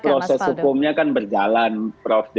itu kan proses proses hukumnya kan berjalan prof deni